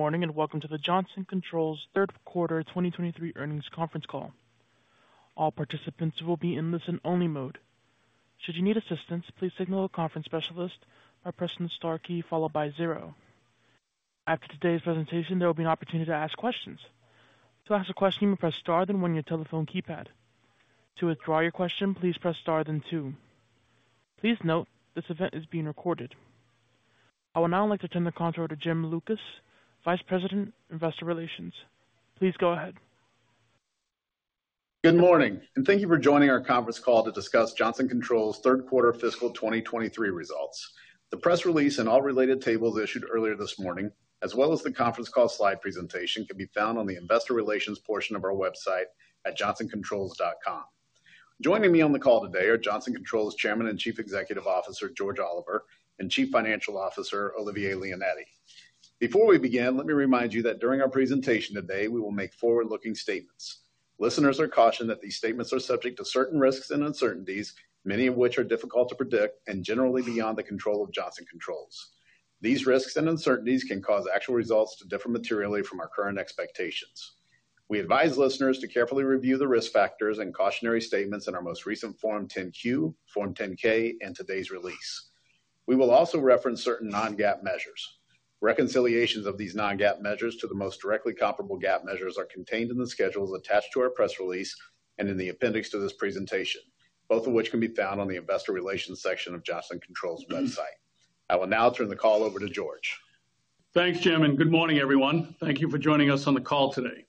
Good morning, welcome to the Johnson Controls third quarter 2023 earnings conference call. All participants will be in listen-only mode. Should you need assistance, please signal a conference specialist by pressing the star key followed by zero. After today's presentation, there will be an opportunity to ask questions. To ask a question, press star, then one your telephone keypad. To withdraw your question, please press star, then two. Please note, this event is being recorded. I would now like to turn the call over to Jim Lucas, Vice President, Investor Relations. Please go ahead. Good morning, thank you for joining our conference call to discuss Johnson Controls third quarter fiscal 2023 results. The press release and all related tables issued earlier this morning, as well as the conference call slide presentation, can be found on the Investor Relations portion of our website at johnsoncontrols.com. Joining me on the call today are Johnson Controls Chairman and Chief Executive Officer, George Oliver, and Chief Financial Officer, Olivier Leonetti. Before we begin, let me remind you that during our presentation today, we will make forward-looking statements. Listeners are cautioned that these statements are subject to certain risks and uncertainties, many of which are difficult to predict and generally beyond the control of Johnson Controls. These risks and uncertainties can cause actual results to differ materially from our current expectations. We advise listeners to carefully review the risk factors and cautionary statements in our most recent Form 10-Q, Form 10-K, and today's release. We will also reference certain non-GAAP measures. Reconciliations of these non-GAAP measures to the most directly comparable GAAP measures are contained in the schedules attached to our press release and in the appendix to this presentation, both of which can be found on the Investor Relations section of Johnson Controls' website. I will now turn the call over to George. Thanks, Jim. Good morning, everyone. Thank you for joining us on the call today.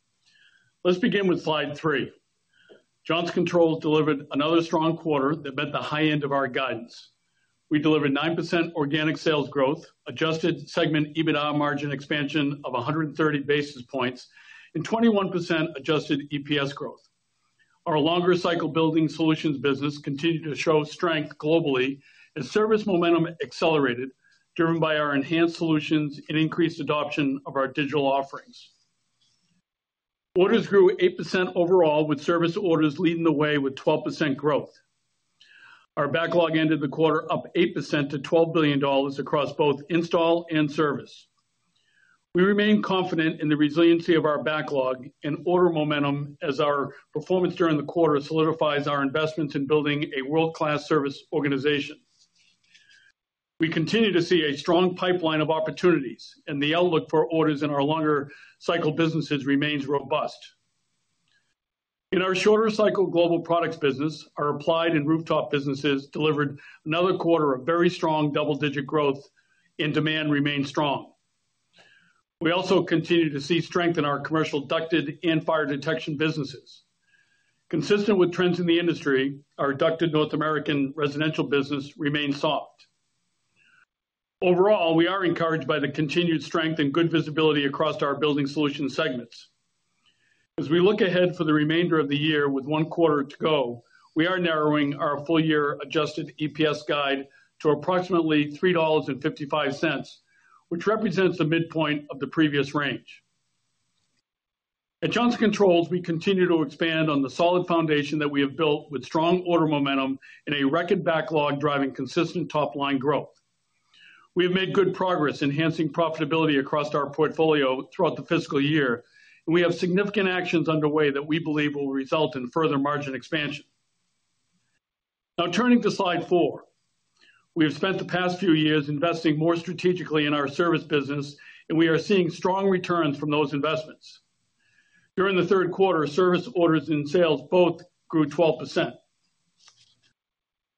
Let's begin with slide three. Johnson Controls delivered another strong quarter that met the high end of our guidance. We delivered 9% organic sales growth, adjusted segment EBITDA margin expansion of 130 basis points, and 21% adjusted EPS growth. Our longer cycle Building Solutions business continued to show strength globally. Service momentum accelerated, driven by our enhanced solutions and increased adoption of our digital offerings. Orders grew 8% overall, with service orders leading the way with 12% growth. Our backlog ended the quarter up 8% to $12 billion across both install and service. We remain confident in the resiliency of our backlog and order momentum as our performance during the quarter solidifies our investment in building a world-class service organization. We continue to see a strong pipeline of opportunities, and the outlook for orders in our longer cycle businesses remains robust. In our shorter cycle Global Products business, our applied and rooftop businesses delivered another quarter of very strong double-digit growth, and demand remained strong. We also continued to see strength in our commercial ducted and fire detection businesses. Consistent with trends in the industry, our ducted North America residential business remains soft. Overall, we are encouraged by the continued strength and good visibility across our Building Solutions segments. As we look ahead for the remainder of the year with one quarter to go, we are narrowing our full-year adjusted EPS guide to approximately $3.55, which represents the midpoint of the previous range. At Johnson Controls, we continue to expand on the solid foundation that we have built with strong order momentum and a record backlog, driving consistent top-line growth. We have made good progress enhancing profitability across our portfolio throughout the fiscal year, and we have significant actions underway that we believe will result in further margin expansion. Now, turning to slide four. We have spent the past few years investing more strategically in our service business, and we are seeing strong returns from those investments. During the third quarter, service orders and sales both grew 12%.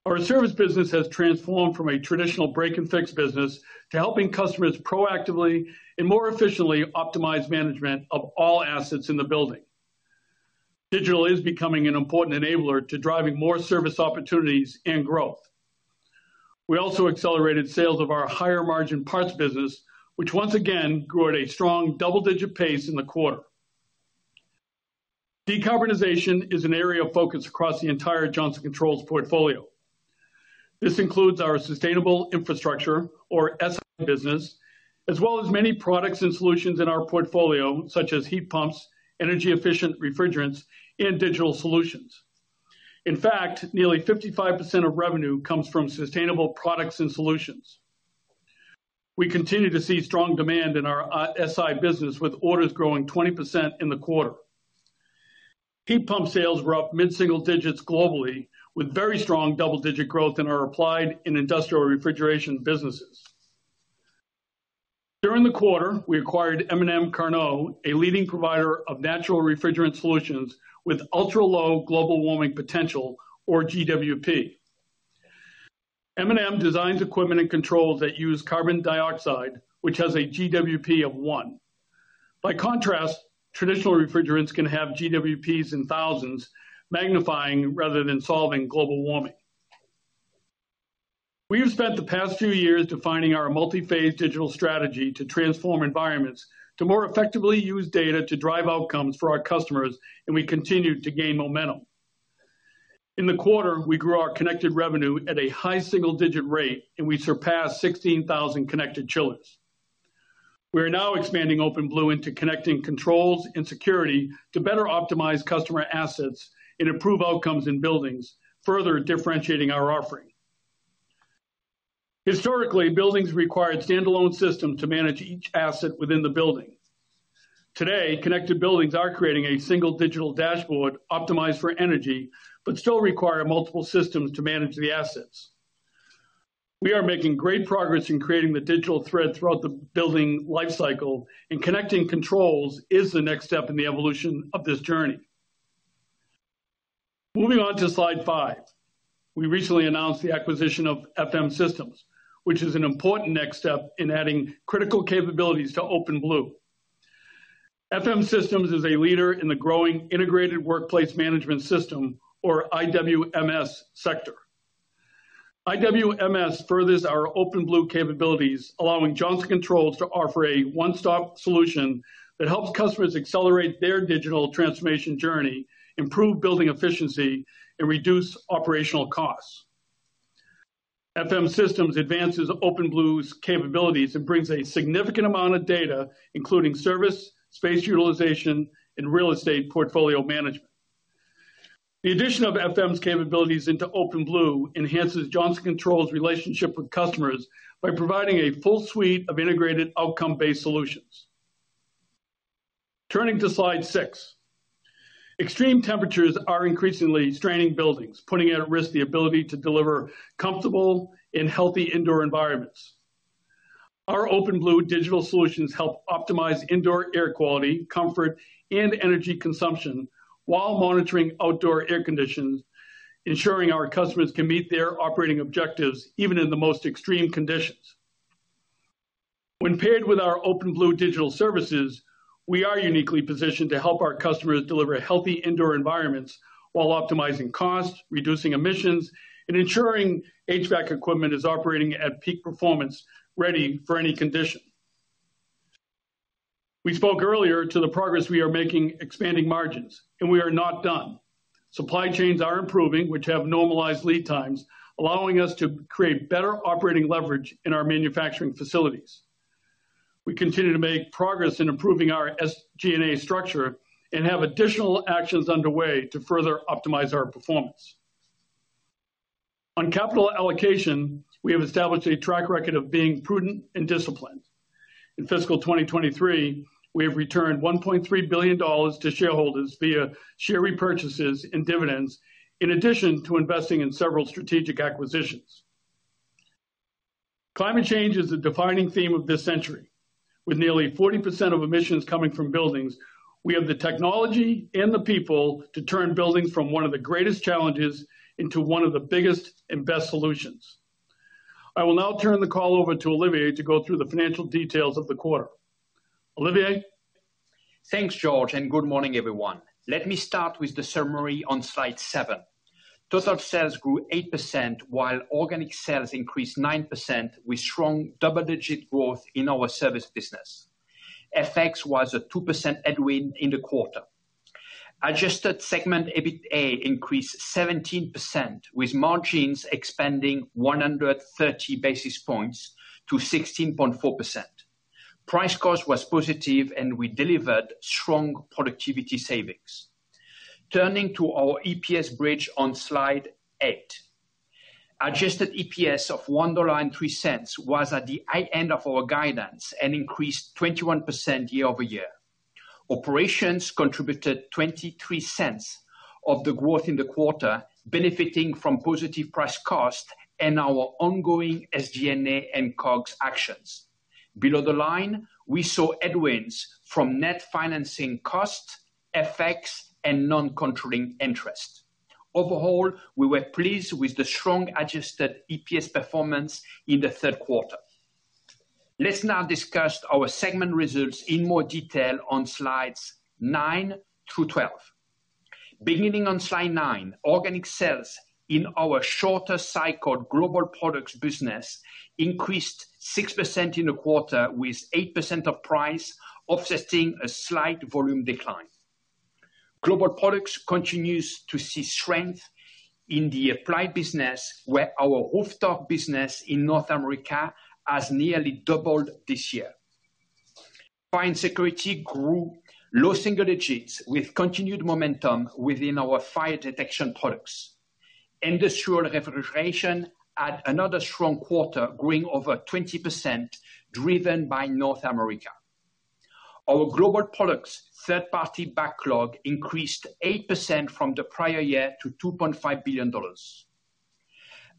Our service business has transformed from a traditional break-and-fix business to helping customers proactively and more efficiently optimize management of all assets in the building. Digital is becoming an important enabler to driving more service opportunities and growth. We also accelerated sales of our higher-margin parts business, which once again grew at a strong double-digit pace in the quarter. Decarbonization is an area of focus across the entire Johnson Controls portfolio. This includes our sustainable infrastructure, or SI business, as well as many products and solutions in our portfolio, such as heat pumps, energy-efficient refrigerants, and digital solutions. In fact, nearly 55% of revenue comes from sustainable products and solutions. We continue to see strong demand in our SI business, with orders growing 20% in the quarter. Heat pump sales were up mid-single digits globally, with very strong double-digit growth in our applied and industrial refrigeration businesses. During the quarter, we acquired M&M Carnot, a leading provider of natural refrigerant solutions with ultra-low Global Warming Potential, or GWP. M&M designs equipment and controls that use carbon dioxide, which has a GWP of 1. By contrast, traditional refrigerants can have GWPs in thousands, magnifying rather than solving global warming. We have spent the past few years defining our multi-phase digital strategy to transform environments to more effectively use data to drive outcomes for our customers. We continue to gain momentum. In the quarter, we grew our connected revenue at a high single-digit rate. We surpassed 16,000 connected chillers. We are now expanding OpenBlue into connecting controls and security to better optimize customer assets and improve outcomes in buildings, further differentiating our offering. Historically, buildings required standalone systems to manage each asset within the building. Today, connected buildings are creating a single digital dashboard optimized for energy. Still require multiple systems to manage the assets. We are making great progress in creating the digital thread throughout the building life cycle, connecting controls is the next step in the evolution of this journey. Moving on to slide five. We recently announced the acquisition of FM:Systems, which is an important next step in adding critical capabilities to OpenBlue. FM:Systems is a leader in the growing integrated workplace management system, or IWMS, sector. IWMS furthers our OpenBlue capabilities, allowing Johnson Controls to offer a one-stop solution that helps customers accelerate their digital transformation journey, improve building efficiency, and reduce operational costs. FM:Systems advances OpenBlue's capabilities and brings a significant amount of data, including service, space utilization, and real estate portfolio management. The addition of FM:Systems's capabilities into OpenBlue enhances Johnson Controls' relationship with customers by providing a full suite of integrated outcome-based solutions. Turning to slide six. Extreme temperatures are increasingly straining buildings, putting at risk the ability to deliver comfortable and healthy indoor environments. Our OpenBlue digital solutions help optimize indoor air quality, comfort, and energy consumption while monitoring outdoor air conditions, ensuring our customers can meet their operating objectives, even in the most extreme conditions. When paired with our OpenBlue digital services, we are uniquely positioned to help our customers deliver healthy indoor environments while optimizing costs, reducing emissions, and ensuring HVAC equipment is operating at peak performance, ready for any condition. We spoke earlier to the progress we are making expanding margins, and we are not done. Supply chains are improving, which have normalized lead times, allowing us to create better operating leverage in our manufacturing facilities. We continue to make progress in improving our SG&A structure and have additional actions underway to further optimize our performance. On capital allocation, we have established a track record of being prudent and disciplined. In fiscal 2023, we have returned $1.3 billion to shareholders via share repurchases and dividends, in addition to investing in several strategic acquisitions. Climate change is a defining theme of this century. With nearly 40% of emissions coming from buildings, we have the technology and the people to turn buildings from one of the greatest challenges into one of the biggest and best solutions. I will now turn the call over to Olivier to go through the financial details of the quarter. Olivier? Thanks, George, and good morning, everyone. Let me start with the summary on slide seven. Total sales grew 8%, while organic sales increased 9%, with strong double-digit growth in our service business. FX was a 2% headwind in the quarter. Adjusted segment EBITDA increased 17%, with margins expanding 130 basis points to 16.4%. Price/cost was positive, and we delivered strong productivity savings. Turning to our EPS bridge on slide eight, adjusted EPS of $1.03 was at the high end of our guidance and increased 21% year-over-year. Operations contributed $0.23 of the growth in the quarter, benefiting from positive price/cost and our ongoing SG&A and COGS actions. Below the line, we saw headwinds from net financing costs, FX, and non-controlling interest. Overall, we were pleased with the strong adjusted EPS performance in the third quarter. Let's now discuss our segment results in more detail on slides nine through 12. Beginning on slide nine, organic sales in our shorter cycle Global Products business increased 6% in the quarter, with 8% of price offsetting a slight volume decline. Global Products continues to see strength in the applied business, where our rooftop business in North America has nearly doubled this year. Fire and Security grew low single digits with continued momentum within our fire detection products. Industrial Refrigeration had another strong quarter, growing over 20%, driven by North America. Our Global Products third-party backlog increased 8% from the prior year to $2.5 billion.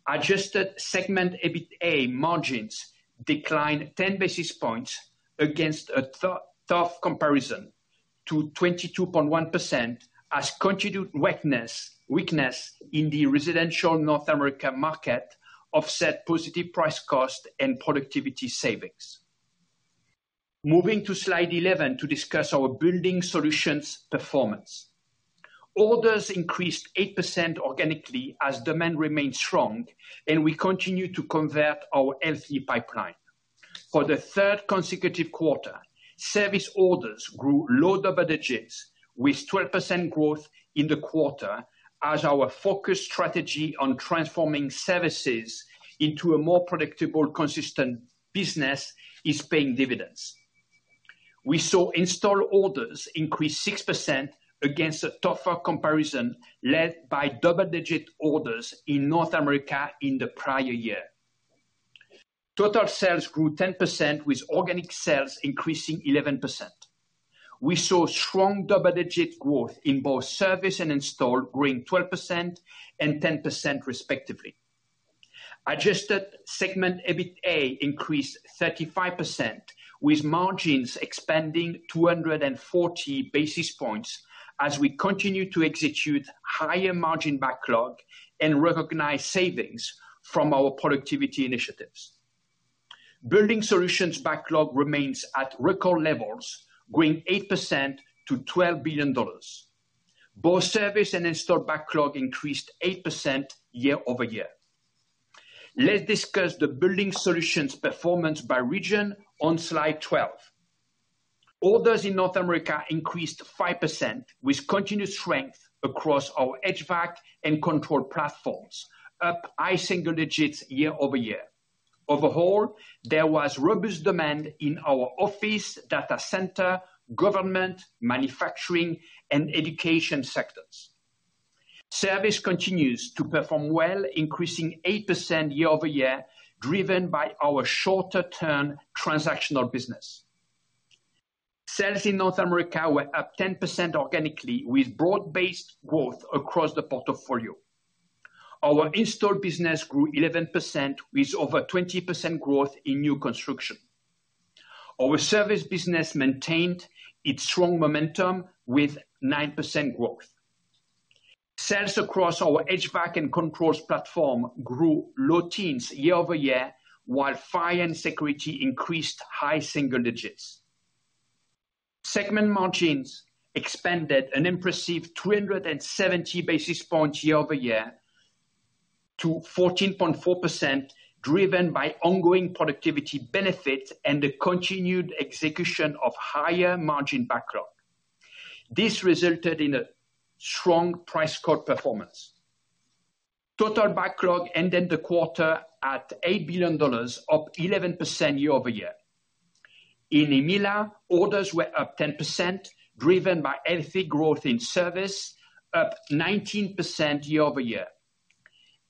Adjusted segment EBITDA margins declined 10 basis points against a tough comparison to 22.1%, as continued weakness in the residential North America market offset positive price, cost, and productivity savings. Moving to slide 11 to discuss our Building Solutions performance. Orders increased 8% organically as demand remained strong, and we continue to convert our healthy pipeline. For the 3rd consecutive quarter, service orders grew low double digits, with 12% growth in the quarter as our focus strategy on transforming services into a more predictable, consistent business is paying dividends. We saw install orders increase 6% against a tougher comparison, led by double-digit orders in North America in the prior year. Total sales grew 10%, with organic sales increasing 11%. We saw strong double-digit growth in both service and install, growing 12% and 10% respectively. Adjusted segment EBITDA increased 35%, with margins expanding 240 basis points, as we continue to execute higher margin backlog and recognize savings from our productivity initiatives. Building Solutions backlog remains at record levels, growing 8% to $12 billion. Both service and install backlog increased 8% year-over-year. Let's discuss the Building Solutions performance by region on slide 12. Orders in North America increased 5%, with continued strength across our HVAC and control platforms, up high single digits year-over-year. Overall, there was robust demand in our office, data center, government, manufacturing, and education sectors. Service continues to perform well, increasing 8% year-over-year, driven by our shorter-term transactional business. Sales in North America were up 10% organically, with broad-based growth across the portfolio. Our install business grew 11%, with over 20% growth in new construction. Our service business maintained its strong momentum with 9% growth. Sales across our HVAC and controls platform grew low teens year-over-year, while fire and security increased high single digits. Segment margins expanded an impressive 270 basis points year-over-year to 14.4%, driven by ongoing productivity benefits and the continued execution of higher margin backlog. This resulted in a strong price/cost performance. Total backlog ended the quarter at $8 billion, up 11% year-over-year. In EMEALA, orders were up 10%, driven by healthy growth in service, up 19% year-over-year.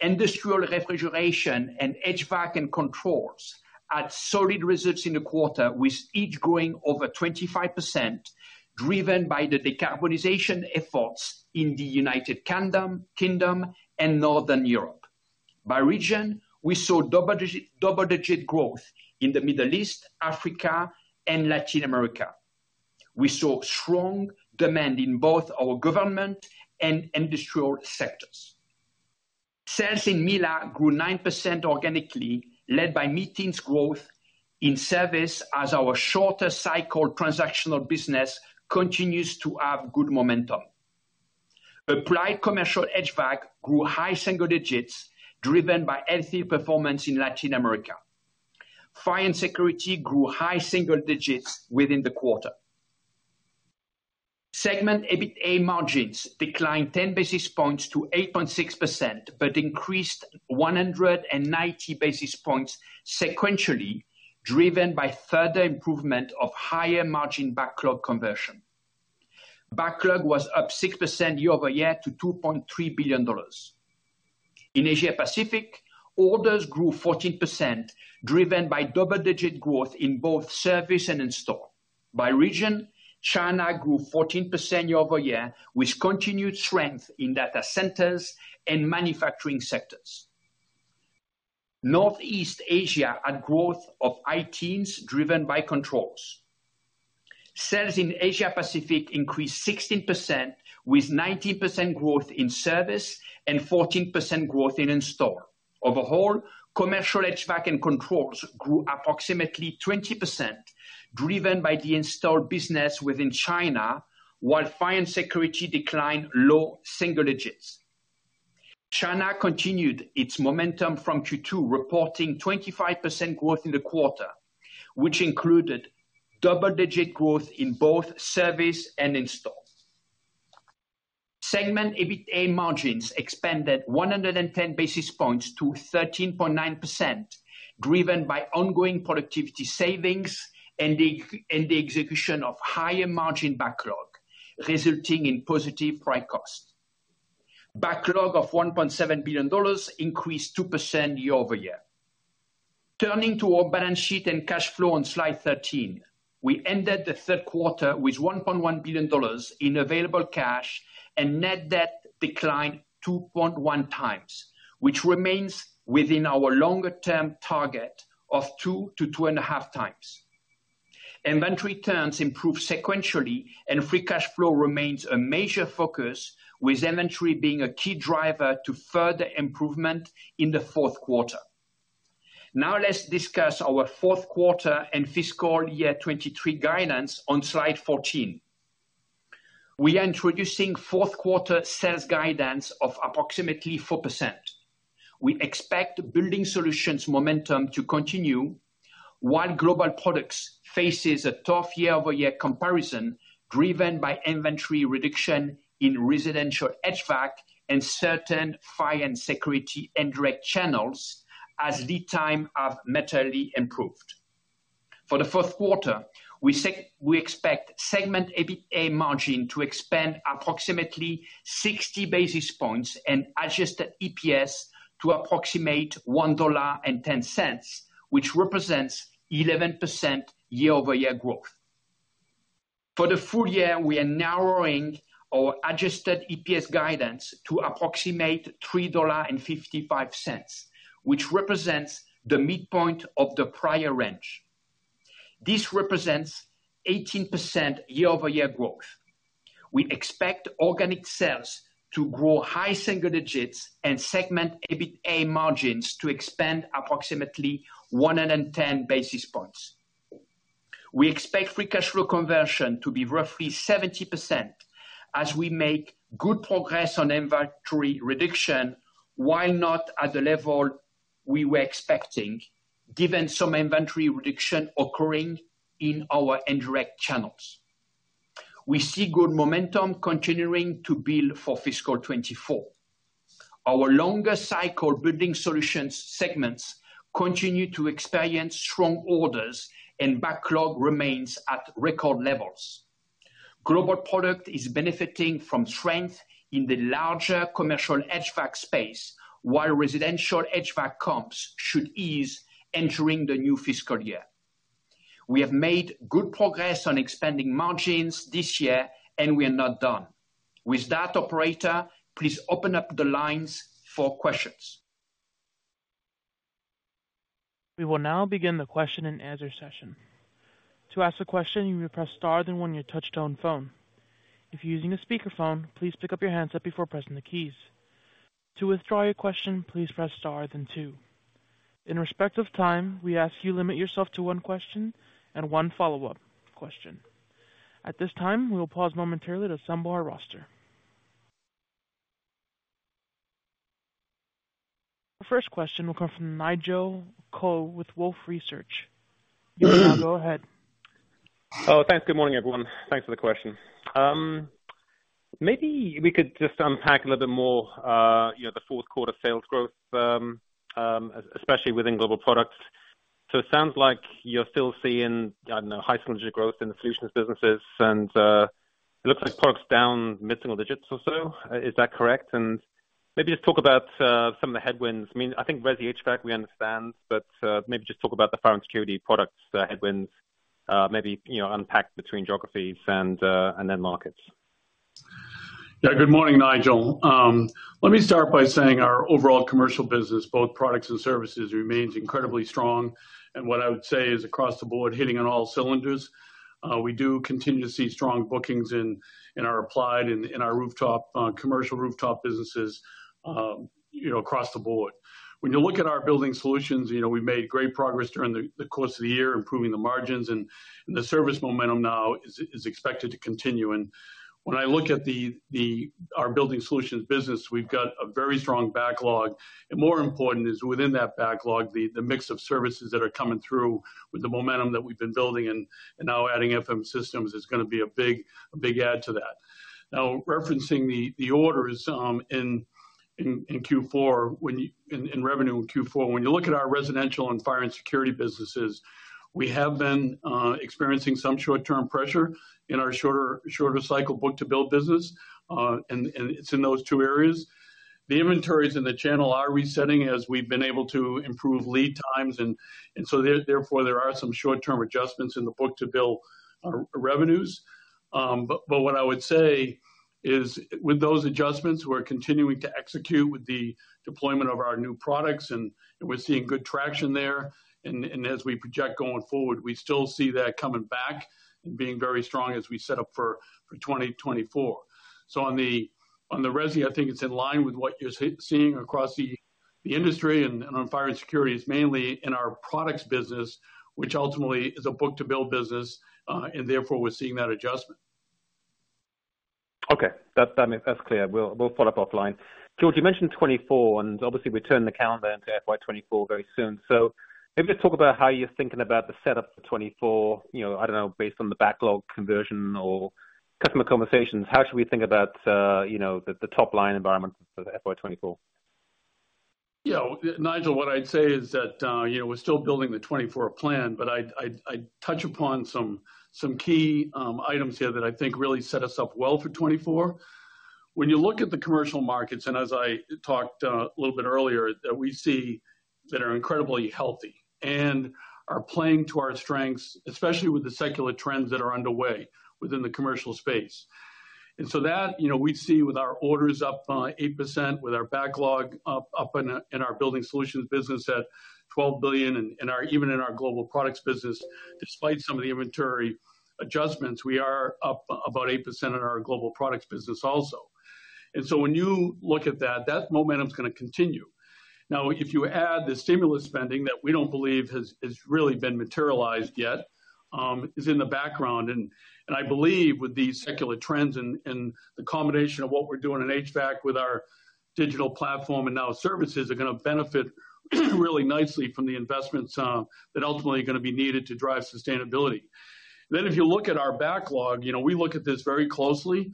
Industrial refrigeration and HVAC and controls had solid results in the quarter, with each growing over 25%, driven by the decarbonization efforts in the United Kingdom and Northern Europe. By region, we saw double-digit growth in the Middle East, Africa, and Latin America. We saw strong demand in both our government and industrial sectors. Sales in EMEALA grew 9% organically, led by mid-teens growth in service as our short-cycle transactional business continues to have good momentum. Applied Commercial HVAC grew high single digits, driven by healthy performance in Latin America. Fire and Security grew high single digits within the quarter. Segment EBITDA margins declined 10 basis points to 8.6%, increased 190 basis points sequentially, driven by further improvement of higher margin backlog conversion. Backlog was up 6% year-over-year to $2.3 billion. In Asia Pacific, orders grew 14%, driven by double-digit growth in both service and install. By region, China grew 14% year-over-year, with continued strength in data centers and manufacturing sectors. Northeast Asia had growth of high teens, driven by controls. Sales in Asia Pacific increased 16%, with 19% growth in service and 14% growth in install. Overall, commercial HVAC and controls grew approximately 20%, driven by the installed business within China, while fire and security declined low single digits. China continued its momentum from Q2, reporting 25% growth in the quarter, which included double-digit growth in both service and install. Segment EBITDA margins expanded 110 basis points to 13.9%, driven by ongoing productivity savings and the execution of higher margin backlog, resulting in positive price/cost. Backlog of $1.7 billion increased 2% year-over-year. Turning to our balance sheet and cash flow on slide 13. We ended the third quarter with $1.1 billion in available cash, and net debt declined 2.1 times, which remains within our longer term target of 2x-2.5x. Inventory turns improved sequentially, and free cash flow remains a major focus, with inventory being a key driver to further improvement in the fourth quarter. Now let's discuss our fourth quarter and fiscal year 2023 guidance on slide 14. We are introducing fourth quarter sales guidance of approximately 4%. We expect Building Solutions momentum to continue, while Global Products faces a tough year-over-year comparison, driven by inventory reduction in residential HVAC and certain fire and security indirect channels, as lead time have materially improved. For the fourth quarter, we expect segment EBITDA margin to expand approximately 60 basis points and adjusted EPS to approximate $1.10, which represents 11% year-over-year growth. For the full year, we are narrowing our adjusted EPS guidance to approximate $3.55, which represents the midpoint of the prior range. This represents 18% year-over-year growth. We expect organic sales to grow high single digits and segment EBITDA margins to expand approximately 110 basis points. We expect free cash flow conversion to be roughly 70% as we make good progress on inventory reduction, while not at the level we were expecting, given some inventory reduction occurring in our indirect channels. We see good momentum continuing to build for fiscal 2024. Our longer cycle Building Solutions segments continue to experience strong orders. Backlog remains at record levels. Global Products is benefiting from strength in the larger commercial HVAC space, while residential HVAC comps should ease entering the new fiscal year. We have made good progress on expanding margins this year. We are not done. With that, operator, please open up the lines for questions. We will now begin the question and answer session. To ask a question, you may press star then one your touchtone phone. If you're using a speakerphone, please pick up your handset before pressing the keys. To withdraw your question, please press star then two. In respect of time, we ask you limit yourself to one question and one follow-up question. At this time, we will pause momentarily to assemble our roster. The first question will come from Nigel Coe with Wolfe Research. Go ahead. Oh, thanks. Good morning, everyone. Thanks for the question. Maybe we could just unpack a little bit more, you know, the fourth quarter sales growth, especially within Global Products. It sounds like you're still seeing, I don't know, high single-digit growth in the solutions businesses, and it looks like products down mid-single-digits or so. Is that correct? Maybe just talk about some of the headwinds. I mean, I think resi HVAC, we understand, but maybe just talk about the fire and security products, the headwinds, maybe, you know, unpack between geographies and end markets. Yeah. Good morning, Nigel. Let me start by saying our overall commercial business, both products and services, remains incredibly strong, and what I would say is across the board, hitting on all cylinders. We do continue to see strong bookings in, in our applied and in our rooftop, commercial rooftop businesses, you know, across the board. When you look at our Building Solutions, you know, we made great progress during the, the course of the year, improving the margins, and, and the service momentum now is, is expected to continue. When I look at the, the, our Building Solutions business, we've got a very strong backlog, and more important is within that backlog, the, the mix of services that are coming through with the momentum that we've been building and, and now adding FM:Systems systems is gonna be a big, a big add to that. Now, referencing the orders in Q4, in revenue in Q4, when you look at our residential and fire and security businesses, we have been experiencing some short-term pressure in our shorter cycle book to build business, and it's in those two areas. The inventories in the channel are resetting as we've been able to improve lead times, so therefore, there are some short-term adjustments in the book to build our revenues. But what I would say is, with those adjustments, we're continuing to execute with the deployment of our new products, and we're seeing good traction there. As we project going forward, we still see that coming back and being very strong as we set up for 2024. On the resi, I think it's in line with what you're seeing across the industry and on fire and security is mainly in our products business, which ultimately is a book-to-bill business, and therefore, we're seeing that adjustment. Okay. That, that's clear. We'll, we'll follow up offline. George, you mentioned 2024. Obviously we turn the calendar into FY 2024 very soon. Maybe just talk about how you're thinking about the setup for 2024, you know, I don't know, based on the backlog conversion or customer conversations. How should we think about, you know, the, the top line environment for the FY 2024? Yeah, Nigel, what I'd say is that, you know, we're still building the 2024 plan, but I'd touch upon some key items here that I think really set us up well for 2024. When you look at the commercial markets, as I talked a little bit earlier, that we see that are incredibly healthy and are playing to our strengths, especially with the secular trends that are underway within the commercial space. That, you know, we see with our orders up 8%, with our backlog up in our Building Solutions business at $12 billion, and even in our Global Products business, despite some of the inventory adjustments, we are up about 8% in our Global Products business also. When you look at that, that momentum's gonna continue. If you add the stimulus spending that we don't believe has, has really been materialized yet, is in the background, and I believe with these secular trends and the combination of what we're doing in HVAC with our digital platform and now services, are gonna benefit really nicely from the investments that ultimately are gonna be needed to drive sustainability. If you look at our backlog, you know, we look at this very closely.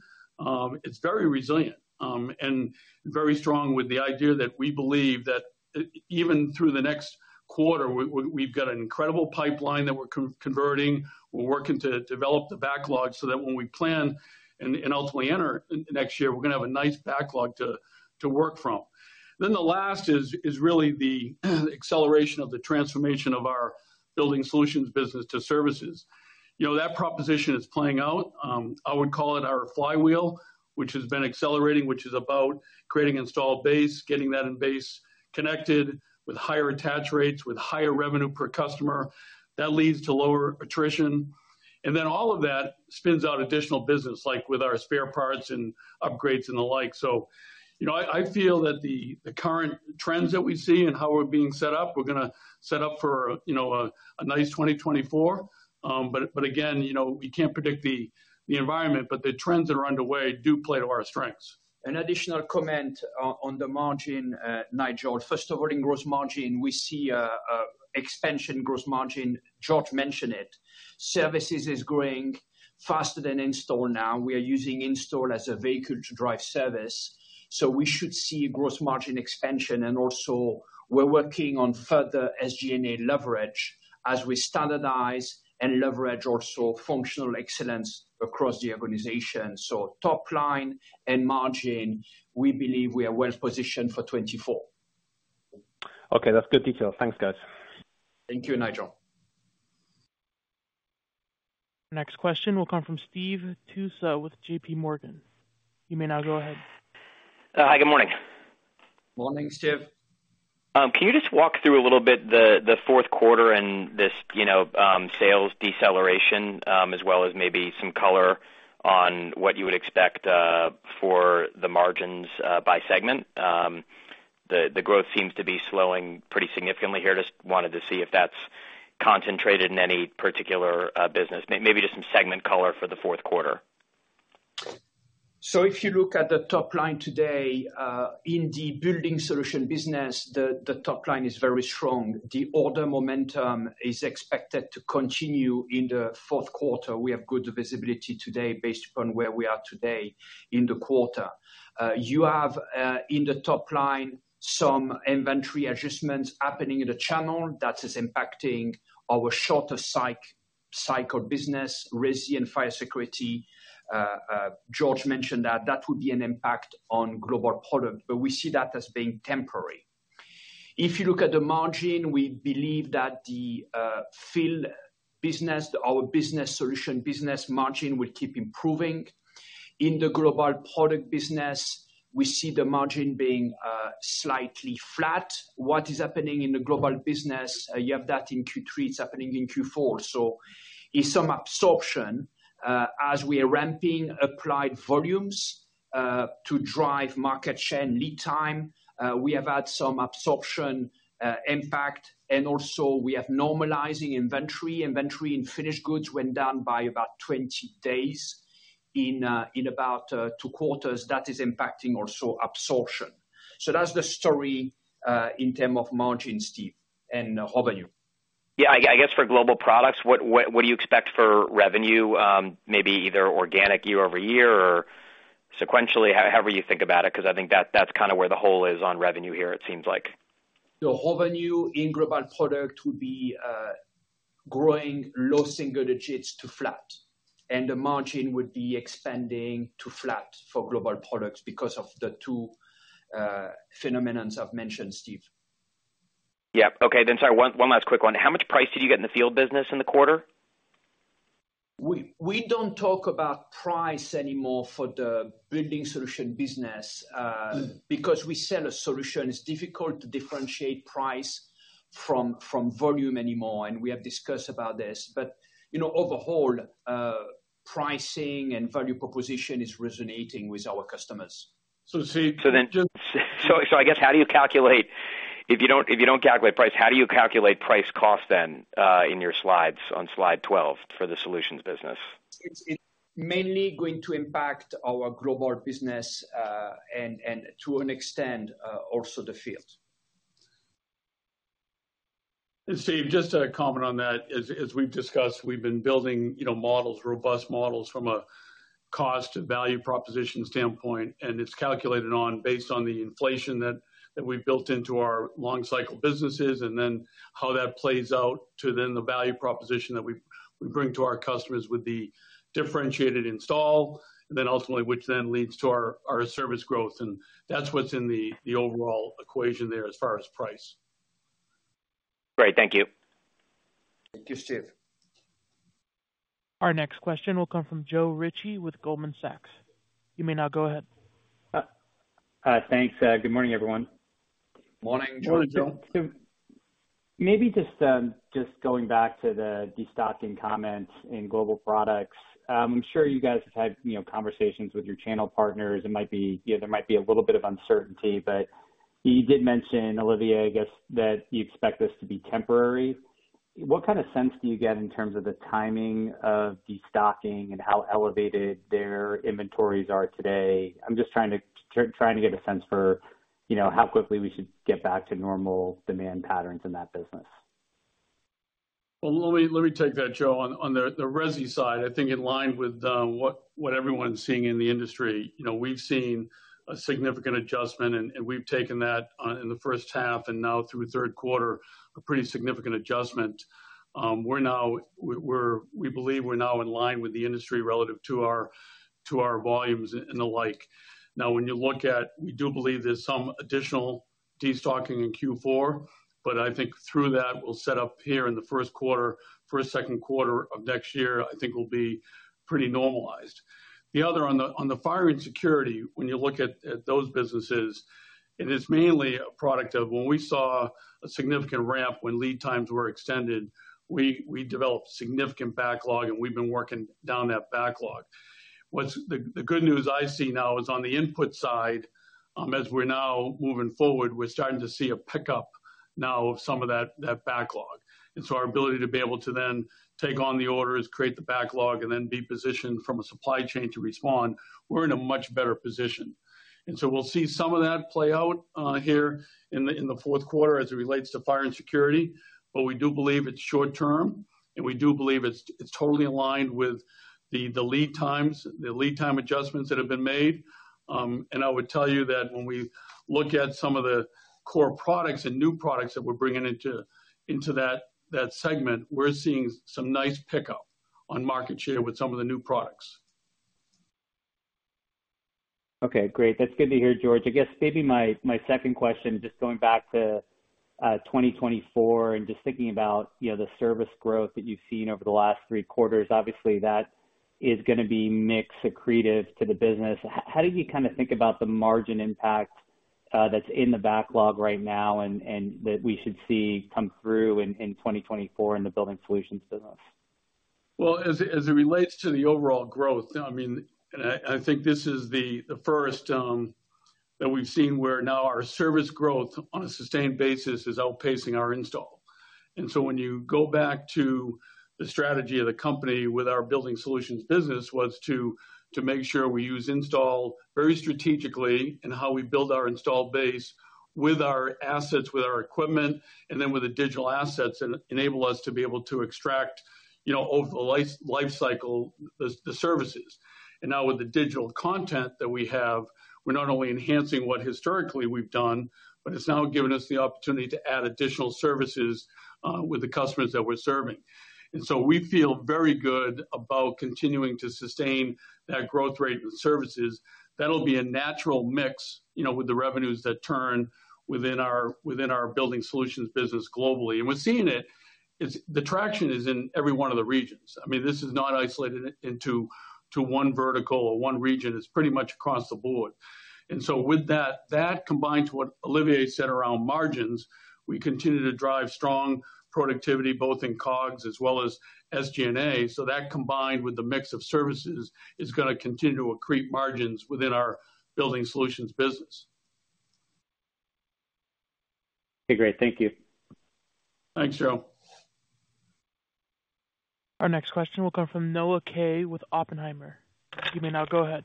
It's very resilient, and very strong with the idea that we believe that even through the next quarter, we've got an incredible pipeline that we're converting. We're working to develop the backlog so that when we plan and ultimately enter next year, we're gonna have a nice backlog to, to work from. The last is, is really the acceleration of the transformation of our Building Solutions business to services. You know, that proposition is playing out. I would call it our flywheel, which has been accelerating, which is about creating installed base, getting that in base connected with higher attach rates, with higher revenue per customer. That leads to lower attrition. All of that spins out additional business, like with our spare parts and upgrades and the like. You know, I, I feel that the current trends that we see and how we're being set up, we're gonna set up for, you know, a nice 2024. But again, you know, we can't predict the environment, but the trends that are underway do play to our strengths. An additional comment on the margin, Nigel. First of all, in gross margin, we see a expansion gross margin. George mentioned it. Services is growing faster than installed now. We are using installed as a vehicle to drive service, so we should see gross margin expansion, and also we're working on further SG&A leverage as we standardize and leverage also functional excellence across the organization. Top line and margin, we believe we are well positioned for 2024. Okay, that's good detail. Thanks, guys. Thank you, Nigel. Next question will come from Steve Tusa with J.P. Morgan. You may now go ahead. Hi, good morning. Morning, Steve. Can you just walk through a little bit the, the fourth quarter and this, you know, sales deceleration, as well as maybe some color on what you would expect for the margins by segment? The growth seems to be slowing pretty significantly here. Just wanted to see if that's concentrated in any particular business. Maybe just some segment color for the fourth quarter? If you look at the top line today, in the Building Solutions business, the, the top line is very strong. The order momentum is expected to continue in the fourth quarter. We have good visibility today based upon where we are today in the quarter. You have, in the top line, some inventory adjustments happening in the channel that is impacting our shorter cycle business, resi and fire security. George mentioned that that would be an impact on Global Products, but we see that as being temporary. If you look at the margin, we believe that the field business, our Building Solutions business margin, will keep improving. In the Global Products business, we see the margin being slightly flat. What is happening in the Global Products business, you have that in Q3, it's happening in Q4. It's some absorption as we are ramping applied volumes to drive market share and lead time. We have had some absorption impact, and also we have normalizing inventory. Inventory and finished goods went down by about 20 days in in about two quarters. That is impacting also absorption. That's the story in terms of margins, Steve, and revenue. Yeah, I guess for Global Products, what, what, what do you expect for revenue? Maybe either organic year-over-year or sequentially, however you think about it, 'cause I think that, that's kinda where the hole is on revenue here, it seems like. The revenue in Global Products will be growing low single digits to flat, and the margin would be expanding to flat for Global Products because of the two phenomenons I've mentioned, Steve. Yeah. Okay, sorry, one last quick one. How much price did you get in the field business in the quarter? We, we don't talk about price anymore for the Building Solutions business, because we sell a solution. It's difficult to differentiate price from, from volume anymore, and we have discussed about this. You know, overall, pricing and value proposition is resonating with our customers. I guess, how do you calculate... if you don't calculate price, how do you calculate price/cost then in your slides on slide 12 for the solutions business? It's mainly going to impact our global business, and, and to an extent, also the field. Steve, just to comment on that, as we've discussed, we've been building, you know, models, robust models from a cost to value proposition standpoint, and it's calculated on, based on the inflation that, that we've built into our long cycle businesses, and then how that plays out to then the value proposition that we, we bring to our customers with the differentiated install, and then ultimately, which then leads to our, our service growth. That's what's in the overall equation there as far as price. Great. Thank you. Thank you, Steve. Our next question will come from Joe Ritchie with Goldman Sachs. You may now go ahead. Thanks. Good morning, everyone. Morning, Joe. Morning, Joe. Maybe just, just going back to the destocking comments in Global Products. I'm sure you guys have had, you know, conversations with your channel partners. You know, there might be a little bit of uncertainty, but you did mention, Olivier, I guess, that you expect this to be temporary. What kind of sense do you get in terms of the timing of destocking and how elevated their inventories are today? I'm just trying to, trying to get a sense for-... you know, how quickly we should get back to normal demand patterns in that business? Well, let me, let me take that, Joe. On the resi side, I think in line with what everyone's seeing in the industry, you know, we've seen a significant adjustment, and we've taken that on in the first half and now through third quarter, a pretty significant adjustment. We believe we're now in line with the industry relative to our volumes and alike. When you look at, we do believe there's some additional destocking in Q4, but I think through that, we'll set up here in the first quarter. First, second quarter of next year, I think we'll be pretty normalized. The other, on the, on the fire and security, when you look at, at those businesses, it is mainly a product of when we saw a significant ramp, when lead times were extended, we, we developed significant backlog, and we've been working down that backlog. The good news I see now is on the input side, as we're now moving forward, we're starting to see a pickup now of some of that, that backlog. Our ability to be able to then take on the orders, create the backlog, and then be positioned from a supply chain to respond, we're in a much better position. We'll see some of that play out here in the, in the fourth quarter as it relates to fire and security. We do believe it's short term, and we do believe it's, it's totally aligned with the, the lead times, the lead time adjustments that have been made. I would tell you that when we look at some of the core products and new products that we're bringing into, into that, that segment, we're seeing some nice pickup on market share with some of the new products. Okay, great. That's good to hear, George. I guess maybe my, my second question, just going back to 2024 and just thinking about, you know, the service growth that you've seen over the last three quarters. Obviously, that is gonna be mix accretive to the business. How do you kind of think about the margin impact that's in the backlog right now, and, and that we should see come through in 2024 in the Building Solutions business? Well, as it relates to the overall growth, I mean, I, I think this is the first time that we've seen where now our service growth on a sustained basis is outpacing our install. When you go back to the strategy of the company with our Building Solutions business, was to make sure we use install very strategically in how we build our install base with our assets, with our equipment, and then with the digital assets, enable us to be able to extract, you know, over the life cycle, the services. Now with the digital content that we have, we're not only enhancing what historically we've done, but it's now given us the opportunity to add additional services with the customers that we're serving. We feel very good about continuing to sustain that growth rate with services. That'll be a natural mix, you know, with the revenues that turn within our, within our Building Solutions business globally. We're seeing it, the traction is in every one of the regions. I mean, this is not isolated into one vertical or one region. It's pretty much across the board. With that, that combined to what Olivier said around margins, we continue to drive strong productivity, both in COGS as well as SG&A. That, combined with the mix of services, is gonna continue to accrete margins within our Building Solutions business. Okay, great. Thank you. Thanks, Joe. Our next question will come from Noah Kaye, with Oppenheimer. You may now go ahead.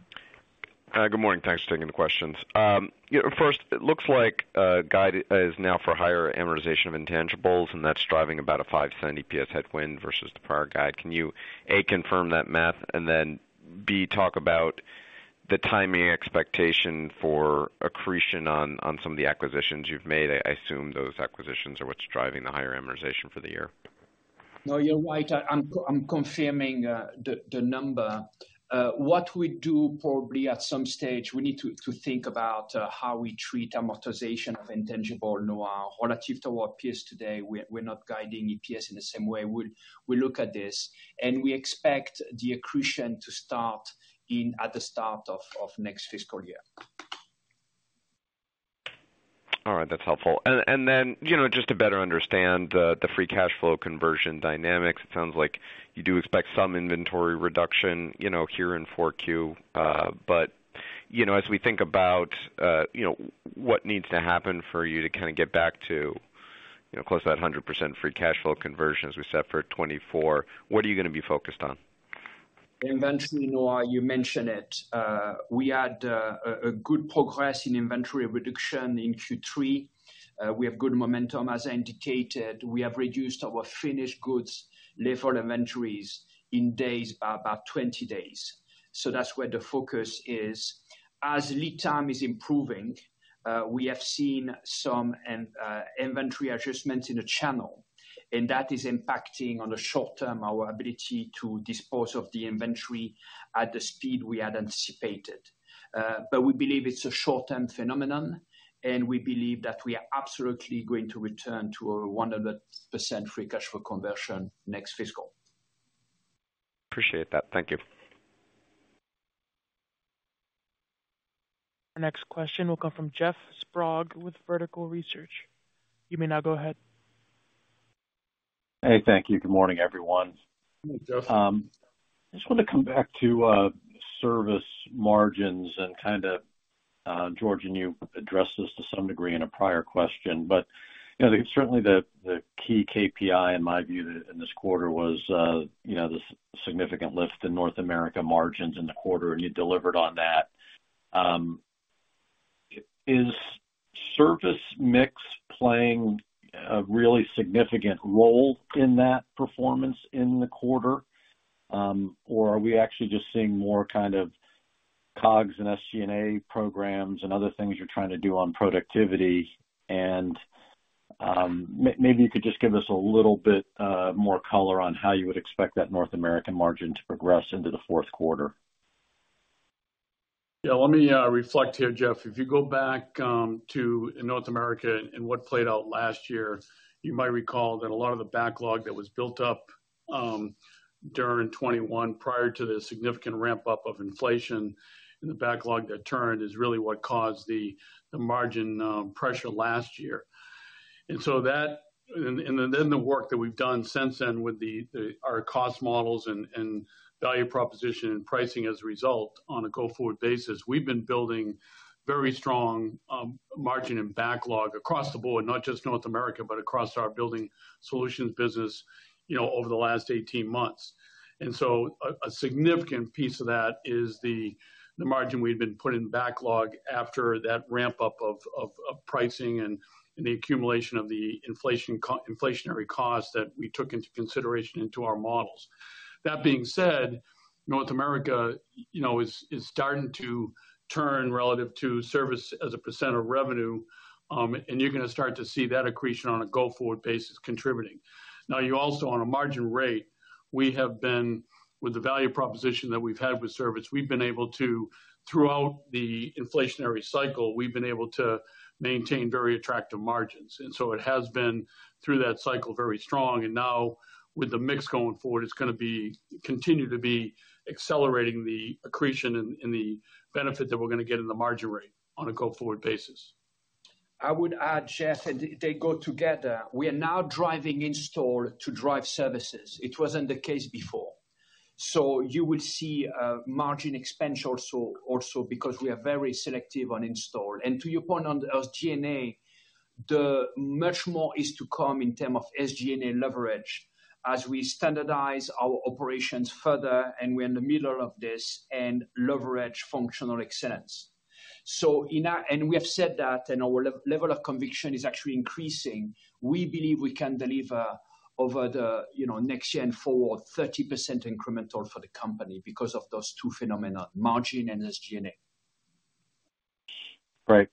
Good morning. Thanks for taking the questions. First, it looks like, guide is now for higher amortization of intangibles. That's driving about a $0.05 EPS headwind versus the prior guide. Can you, A, confirm that math, and then, B, talk about the timing expectation for accretion on, on some of the acquisitions you've made? I assume those acquisitions are what's driving the higher amortization for the year. No, you're right. I'm confirming the, the number. What we do probably at some stage, we need to, to think about how we treat amortization of intangible, Noah. Relative to our peers today, we're, we're not guiding EPS in the same way. We'll, we look at this, and we expect the accretion to start at the start of next fiscal year. All right, that's helpful. Then, you know, just to better understand the free cash flow conversion dynamics, it sounds like you do expect some inventory reduction, you know, here in 4Q. But, you know, as we think about, you know, what needs to happen for you to kind of get back to, you know, close to that 100% free cash flow conversion as we set for 2024, what are you going to be focused on? Inventory, Noah, you mentioned it. We had a good progress in inventory reduction in Q3. We have good momentum. As indicated, we have reduced our finished goods level inventories in days, by about 20 days. That's where the focus is. As lead time is improving, we have seen some inventory adjustments in the channel, and that is impacting, on the short term, our ability to dispose of the inventory at the speed we had anticipated. We believe it's a short-term phenomenon, and we believe that we are absolutely going to return to our 100% free cash flow conversion next fiscal. Appreciate that. Thank you. Our next question will come from Jeff Sprague, with Vertical Research. You may now go ahead. Hey, thank you. Good morning, everyone. Good morning, Jeff. I just want to come back to service margins and kind of George, and you addressed this to some degree in a prior question, but, you know, certainly the key KPI, in my view, in this quarter was, you know, this significant lift in North America margins in the quarter, and you delivered on that. Is service mix playing a really significant role in that performance in the quarter? Or are we actually just seeing more kind of COGS and SG&A programs and other things you're trying to do on productivity? Maybe you could just give us a little bit more color on how you would expect that North American margin to progress into the fourth quarter. Yeah, let me reflect here, Jeff. If you go back to North America and what played out last year, you might recall that a lot of the backlog that was built up during 2021, prior to the significant ramp-up of inflation, and the backlog that turned, is really what caused the margin pressure last year. That, and then the work that we've done since then with the our cost models and value proposition and pricing as a result on a go-forward basis, we've been building very strong margin and backlog across the board, not just North America, but across our Building Solutions business, you know, over the last 18 months. A significant piece of that is the margin we've been putting in backlog after that ramp up of pricing and the accumulation of the inflationary costs that we took into consideration into our models. That being said, North America, you know, is starting to turn relative to service as a percent of revenue, and you're gonna start to see that accretion on a go-forward basis contributing. You also, on a margin rate, we have been, with the value proposition that we've had with service, we've been able to, throughout the inflationary cycle, we've been able to maintain very attractive margins. It has been, through that cycle, very strong. Now, with the mix going forward, it's gonna be, continue to be accelerating the accretion and the benefit that we're gonna get in the margin rate on a go-forward basis. I would add, Jeff, and they go together, we are now driving in-store to drive services. It wasn't the case before. You will see margin expansion also, also because we are very selective on in-store. To your point on the SG&A, much more is to come in term of SG&A leverage as we standardize our operations further, and we're in the middle of this, and leverage functional excellence. We have said that, and our level of conviction is actually increasing. We believe we can deliver over the, you know, next gen forward, 30% incremental for the company because of those two phenomena, margin and SG&A. Right.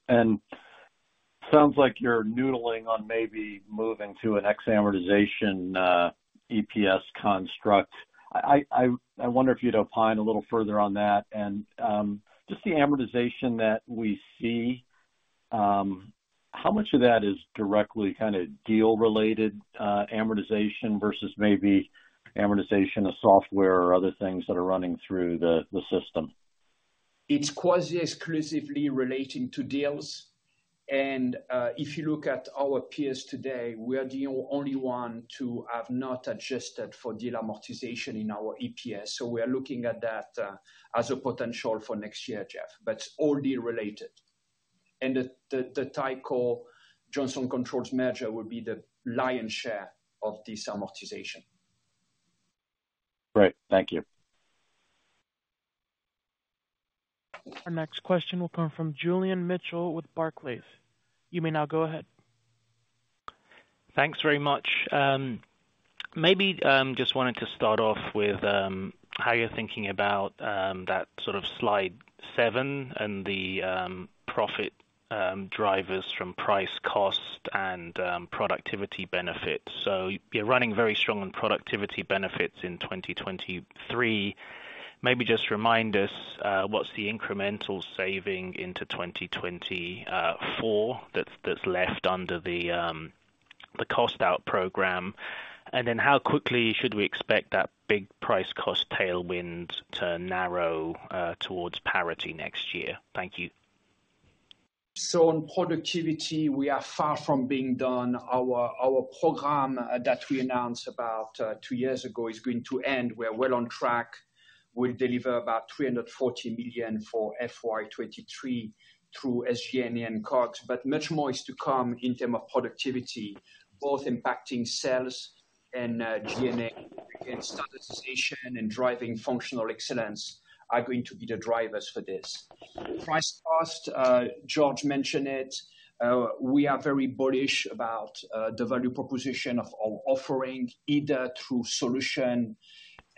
Sounds like you're noodling on maybe moving to an ex-amortization EPS construct. I wonder if you'd opine a little further on that. Just the amortization that we see, how much of that is directly kind of deal-related amortization versus maybe amortization of software or other things that are running through the system? It's quasi exclusively relating to deals, and, if you look at our peers today, we are the only one to have not adjusted for deal amortization in our EPS. We are looking at that, as a potential for next year, Jeff, but it's all deal related. The Tyco Johnson Controls merger will be the lion's share of this amortization. Great, thank you. Our next question will come from Julian Mitchell with Barclays. You may now go ahead. Thanks very much. Maybe, just wanted to start off with, how you're thinking about, that sort of slide seven and the profit drivers from price, cost, and productivity benefits. You're running very strong on productivity benefits in 2023. Maybe just remind us, what's the incremental saving into 2024, that's, that's left under the cost out program? Then how quickly should we expect that big price cost tailwind to narrow towards parity next year? Thank you. On productivity, we are far from being done. Our program that we announced about two years ago, is going to end. We're well on track. We'll deliver about $340 million for FY 2023 through SG&A and COGS, Much more is to come in term of productivity, both impacting sales and G&A. Again, standardization and driving functional excellence are going to be the drivers for this. Price cost, George mentioned it. We are very bullish about the value proposition of our offering, either through solution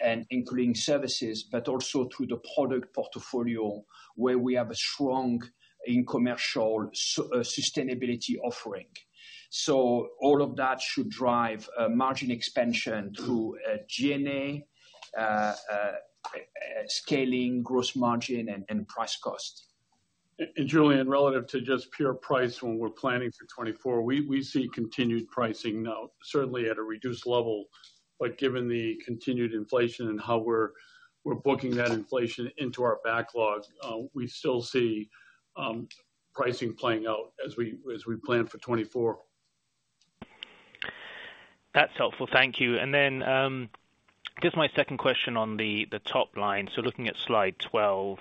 and including services, but also through the product portfolio, where we have a strong in commercial sustainability offering. All of that should drive margin expansion through G&A scaling, gross margin, and price cost. Julian, relative to just pure price, when we're planning for 2024, we, we see continued pricing now, certainly at a reduced level, but given the continued inflation and how we're, we're booking that inflation into our backlog, we still see pricing playing out as we, as we plan for 2024. That's helpful. Thank you. Then, just my second question on the, the top line. Looking at slide 12,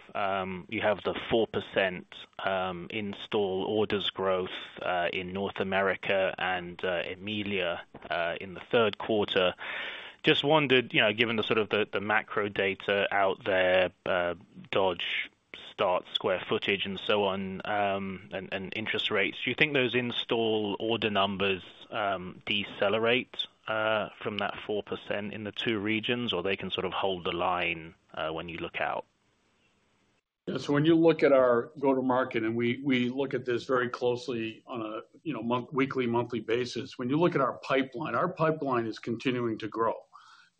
you have the 4% install orders growth in North America and EMEALA in the third quarter. Just wondered, you know, given the sort of the, the macro data out there, Dodge starts, square footage, and so on, and interest rates, do you think those install order numbers decelerate from that 4% in the two regions, or they can sort of hold the line when you look out? Yeah. When you look at our go-to-market, and we, we look at this very closely on a, you know, weekly, monthly basis. When you look at our pipeline, our pipeline is continuing to grow.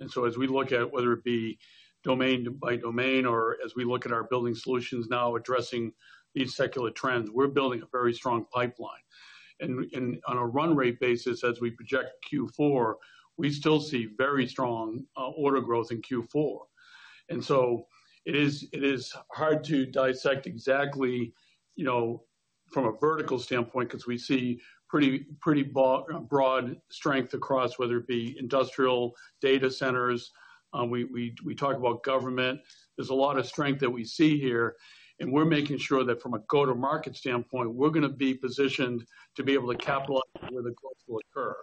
As we look at whether it be domain by domain, or as we look at our Building Solutions now addressing these secular trends, we're building a very strong pipeline. On a run rate basis, as we project Q4, we still see very strong order growth in Q4. It is, it is hard to dissect exactly, you know, from a vertical standpoint, 'cause we see pretty, pretty broad strength across, whether it be industrial data centers, we, we, we talk about government. There's a lot of strength that we see here, and we're making sure that from a go-to-market standpoint, we're gonna be positioned to be able to capitalize where the growth will occur.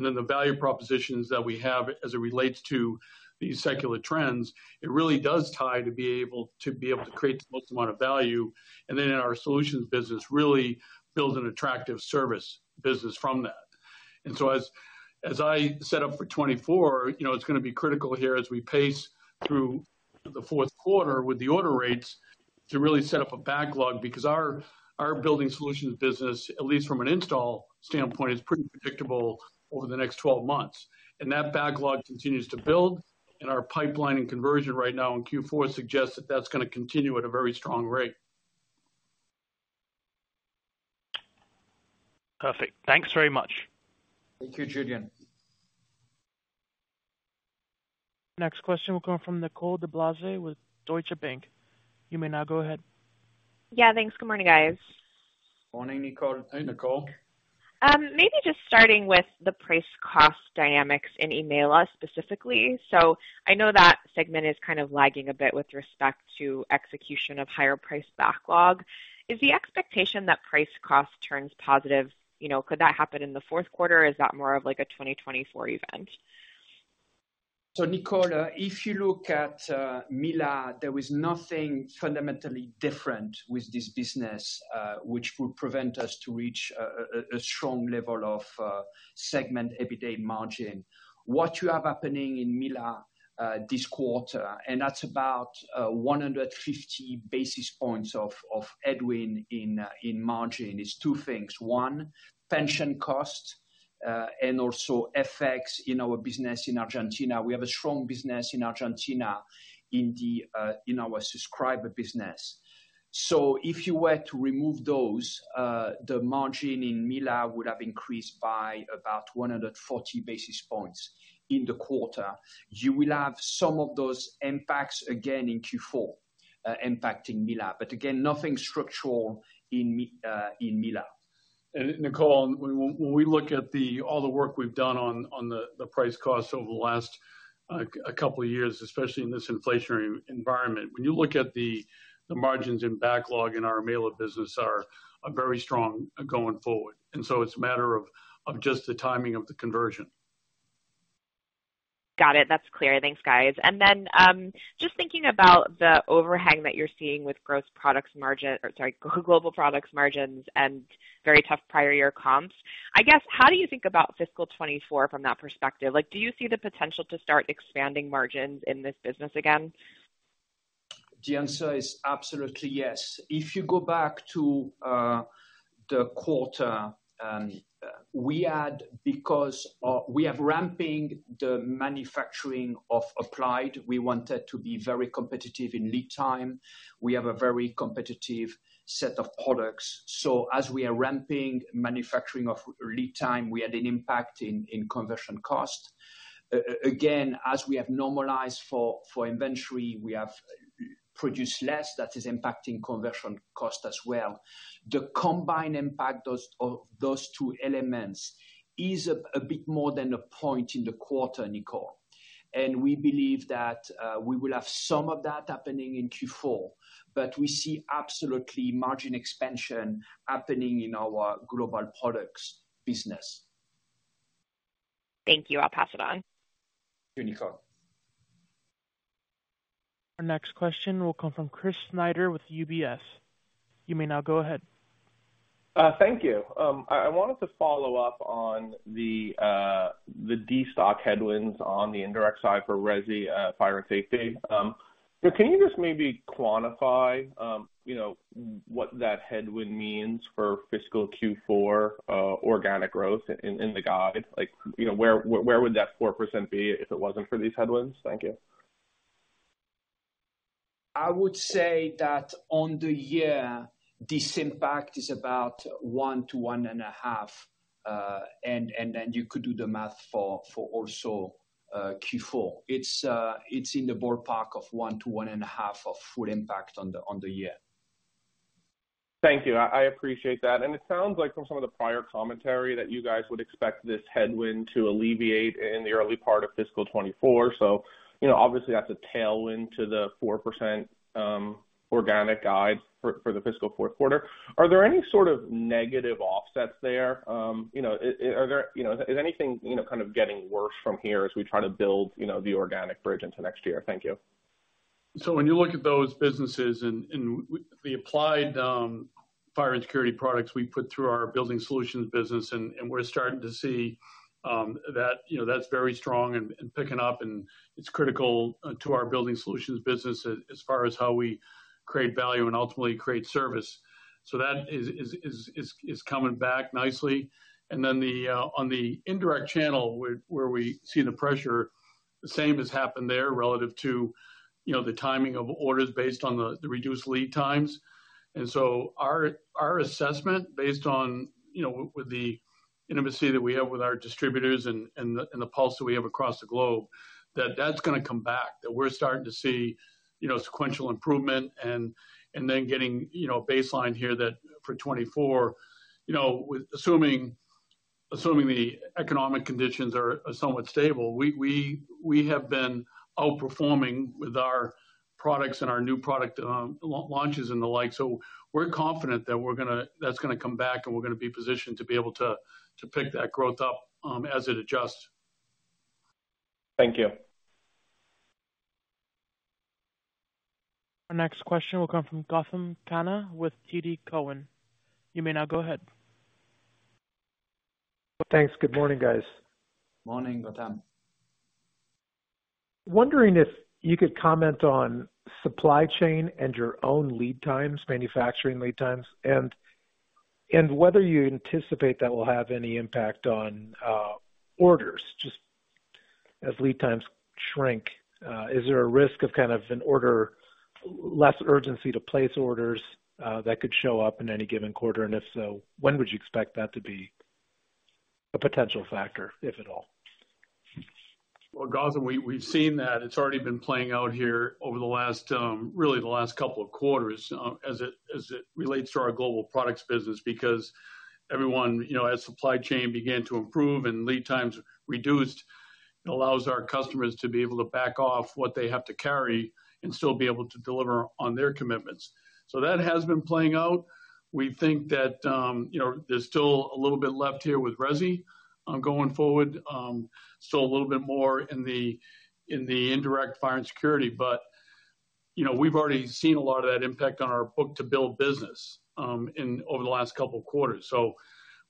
Then the value propositions that we have as it relates to these secular trends, it really does tie to be able, to be able to create the most amount of value, and then in our solutions business, really build an attractive service business from that. So as, as I set up for 2024, you know, it's gonna be critical here as we pace through the fourth quarter with the order rates to really set up a backlog, because our, our Building Solutions business, at least from an install standpoint, is pretty predictable over the next 12 months. That backlog continues to build, and our pipeline and conversion right now in Q4 suggests that that's gonna continue at a very strong rate. Perfect. Thanks very much. Thank you, Julian. Next question will come from Nicole DeBlase with Deutsche Bank. You may now go ahead. Yeah, thanks. Good morning, guys. Morning, Nicole. Hey, Nicole. Maybe just starting with the price/cost dynamics in EMEALA, specifically. I know that segment is lagging a bit with respect to execution of higher price backlog. Is the expectation that price/cost turns positive, you know, could that happen in the fourth quarter, or is that more of a 2024 event? Nicole, if you look at EMEALA, there is nothing fundamentally different with this business which will prevent us to reach a strong level of segment EBITDA margin. What you have happening in EMEALA this quarter, and that's about 150 basis points of EBITDA in margin, is two things: one, pension cost and also FX in our business in Argentina. We have a strong business in Argentina, in our subscriber business. If you were to remove those, the margin in EMEALA would have increased by about 140 basis points in the quarter. You will have some of those impacts again in Q4 impacting EMEALA, but again, nothing structural in EMEALA. Nicole, when we look at all the work we've done on the price/cost over the last a couple of years, especially in this inflationary environment, when you look at the margins in backlog in our EMEALA business are very strong going forward, and so it's a matter of just the timing of the conversion. Got it. That's clear. Thanks, guys. Then, just thinking about the overhang that you're seeing with Global Products margin, or, sorry, Global Products margins and very tough prior year comps, I guess, how do you think about fiscal 2024 from that perspective? Like, do you see the potential to start expanding margins in this business again? The answer is absolutely yes. If you go back to the quarter, we had, because we have ramping the manufacturing of Applied, we wanted to be very competitive in lead time. We have a very competitive set of products. So as we are ramping manufacturing of lead time, we had an impact in conversion cost. Again, as we have normalized for inventory, we have produced less, that is impacting conversion cost as well. The combined impact of those two elements is a bit more than 1 point in the quarter, Nicole. And we believe that we will have some of that happening in Q4, but we see absolutely margin expansion happening in our Global Products business. Thank you. I'll pass it on. Thank you, Nicole. Our next question will come from Chris Snyder with UBS. You may now go ahead. Thank you. I, I wanted to follow up on the destock headwinds on the indirect side for resi, fire and safety. Can you just maybe quantify, you know, what that headwind means for fiscal Q4 organic growth in the guide? Like, you know, where, where would that 4% be if it wasn't for these headwinds? Thank you. I would say that on the year, this impact is about 1-1.5, and then you could do the math for, for also, Q4. It's, it's in the ballpark of 1-1.5 of full impact on the, on the year. Thank you. I appreciate that. It sounds like from some of the prior commentary, that you guys would expect this headwind to alleviate in the early part of fiscal 2024. You know, obviously, that's a tailwind to the 4% organic guide for the fiscal fourth quarter. Are there any sort of negative offsets there? You know, are there... You know, is anything, you know, kind of getting worse from here as we try to build, you know, the organic bridge into next year? Thank you. When you look at those businesses and the applied fire and security products we put through our Building Solutions business, we're starting to see that, you know, that's very strong and picking up, and it's critical to our Building Solutions business as far as how we create value and ultimately create service. That is coming back nicely. On the indirect channel, where we see the pressure, the same has happened there relative to, you know, the timing of orders based on the reduced lead times. Our assessment, based on, you know, with the intimacy that we have with our distributors and the and the pulse that we have across the globe, that that's gonna come back. That we're starting to see, you know, sequential improvement and, and then getting, you know, baseline here that for 2024, you know, with assuming, assuming the economic conditions are, are somewhat stable, we, we, we have been outperforming with our products and our new product launches and the like. We're confident that we're gonna that's gonna come back, and we're gonna be positioned to be able to, to pick that growth up as it adjusts. Thank you. Our next question will come from Gautam Khanna with TD Cowen. You may now go ahead. Thanks. Good morning, guys. Morning, Gautam. Wondering if you could comment on supply chain and your own lead times, manufacturing lead times, and whether you anticipate that will have any impact on orders, just as lead times shrink. Is there a risk of kind of less urgency to place orders that could show up in any given quarter? If so, when would you expect that to be a potential factor, if at all? Well, Gautam, we, we've seen that. It's already been playing out here over the last, really, the last couple of quarters, as it, as it relates to our Global Products business. Everyone, you know, as supply chain began to improve and lead times reduced, it allows our customers to be able to back off what they have to carry and still be able to deliver on their commitments. That has been playing out. We think that, you know, there's still a little bit left here with resi, going forward. Still a little bit more in the, in the indirect fire and security, but, you know, we've already seen a lot of that impact on our book to build business, in over the last couple of quarters.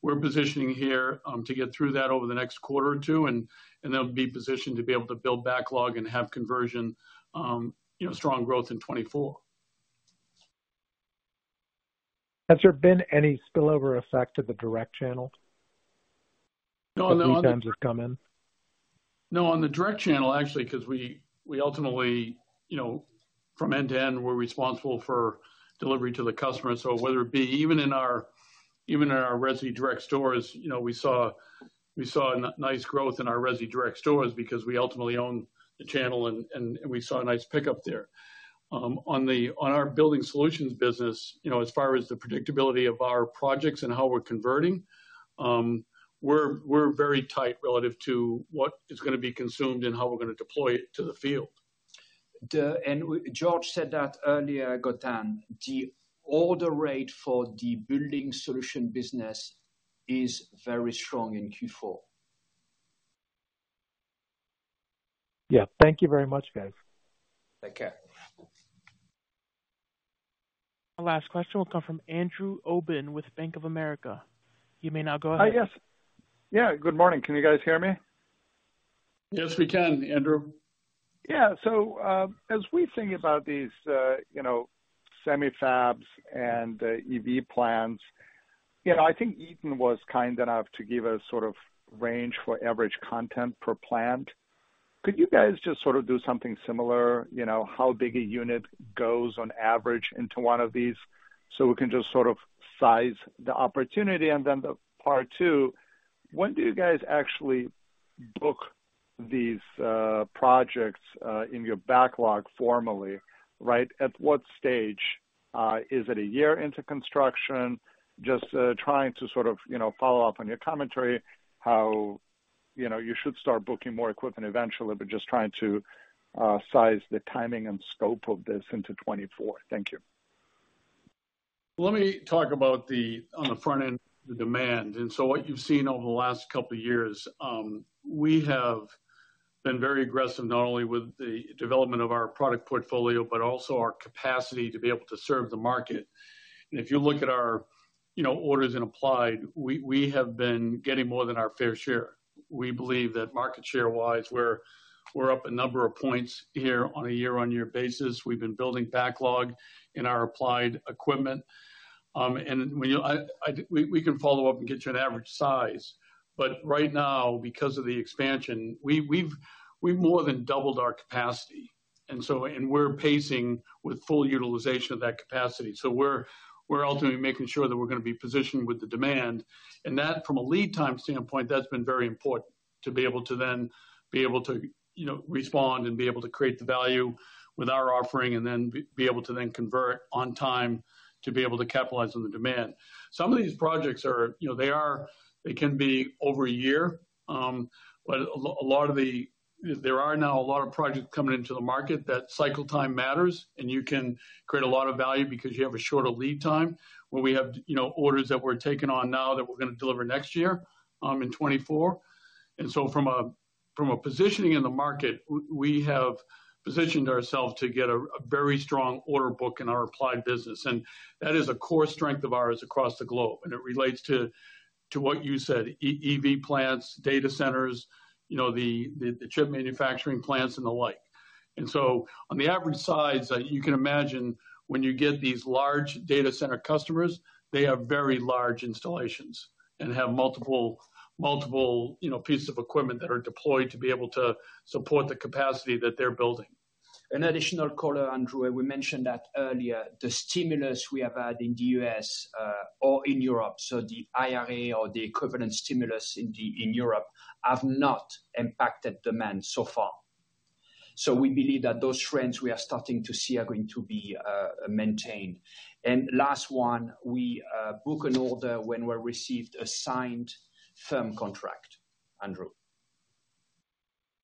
We're positioning here to get through that over the next quarter or two, and then be positioned to be able to build backlog and have conversion, you know, strong growth in 2024. Has there been any spillover effect to the direct channel as lead times have come in? No, on the direct channel, actually, 'cause we, we ultimately, you know, from end to end, we're responsible for delivery to the customer. Whether it be even in our, even in our resi direct stores, you know, we saw, we saw a nice growth in our resi direct stores because we ultimately own the channel, and, and, and we saw a nice pickup there. On our Building Solutions business, you know, as far as the predictability of our projects and how we're converting, we're, we're very tight relative to what is gonna be consumed and how we're gonna deploy it to the field. George said that earlier, Gautam, the order rate for the Building Solutions business is very strong in Q4. Yeah. Thank you very much, guys. Take care. Our last question will come from Andrew Obin with Bank of America. You may now go ahead. Yes. Yeah, good morning. Can you guys hear me? Yes, we can, Andrew. Yeah. As we think about these, you know, semi fabs and EV plans, you know, I think Eaton was kind enough to give a sort of range for average content per plant. Could you guys just sort of do something similar, you know, how big a unit goes on average into one of these? We can just sort of size the opportunity. Then the part two, when do you guys actually book these projects in your backlog formally, right? At what stage? Is it a year into construction? Just trying to sort of, you know, follow up on your commentary, how, you know, you should start booking more equipment eventually, but just trying to size the timing and scope of this into 2024. Thank you. Let me talk about the, on the front end, the demand. So what you've seen over the last couple of years, we have been very aggressive, not only with the development of our product portfolio, but also our capacity to be able to serve the market. If you look at our, you know, orders and applied, we have been getting more than our fair share. We believe that market share-wise, we're up a number of points here on a year-on-year basis. We've been building backlog in our applied equipment. We can follow up and get you an average size, but right now, because of the expansion, we've more than doubled our capacity, and so, and we're pacing with full utilization of that capacity. We're, we're ultimately making sure that we're gonna be positioned with the demand, and that from a lead time standpoint, that's been very important to be able to then be able to, you know, respond and be able to create the value with our offering and then be able to then convert on time to be able to capitalize on the demand. Some of these projects are, you know, they are, they can be over a year, but there are now a lot of projects coming into the market that cycle time matters, and you can create a lot of value because you have a shorter lead time, where we have, you know, orders that we're taking on now that we're gonna deliver next year, in 2024. From a positioning in the market, we have positioned ourselves to get a very strong order book in our applied business, and that is a core strength of ours across the globe. It relates to, to what you said, EV plants, data centers, you know, the chip manufacturing plants, and the like. On the average size, you can imagine when you get these large data center customers, they have very large installations and have multiple, multiple, you know, pieces of equipment that are deployed to be able to support the capacity that they're building. An additional caller, Andrew, we mentioned that earlier, the stimulus we have had in the U.S., or in Europe, so the IRA or the equivalent stimulus in the, in Europe, have not impacted demand so far. We believe that those trends we are starting to see are going to be maintained. Last one, we book an order when we received a signed firm contract, Andrew.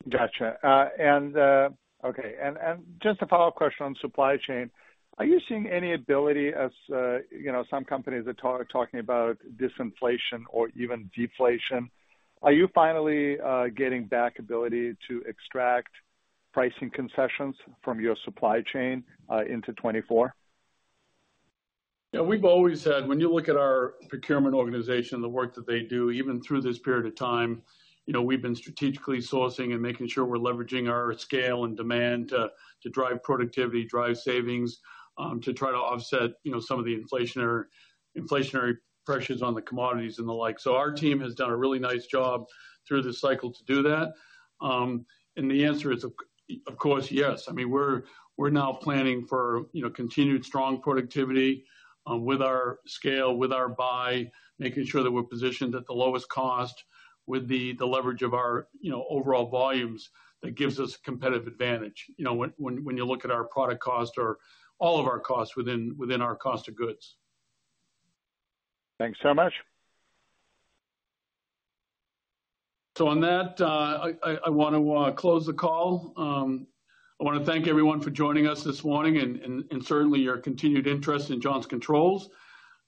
Gotcha. Okay, and just a follow-up question on supply chain. Are you seeing any ability as, you know, some companies are talking about disinflation or even deflation? Are you finally getting back ability to extract pricing concessions from your supply chain into 2024? Yeah, we've always said, when you look at our procurement organization, the work that they do, even through this period of time, you know, we've been strategically sourcing and making sure we're leveraging our scale and demand to drive productivity, drive savings, to try to offset, you know, some of the inflationary, inflationary pressures on the commodities and the like. Our team has done a really nice job through this cycle to do that. The answer is, of course, yes. I mean, we're, we're now planning for, you know, continued strong productivity, with our scale, with our buy, making sure that we're positioned at the lowest cost with the leverage of our, you know, overall volumes that gives us competitive advantage. You know, when you look at our product cost or all of our costs within, within our cost of goods. Thanks so much. On that, I wanna close the call. I wanna thank everyone for joining us this morning and certainly your continued interest in Johnson Controls.